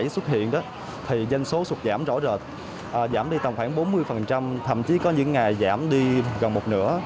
quán giảm đi tầm khoảng bốn mươi thậm chí có những ngày giảm đi gần một nửa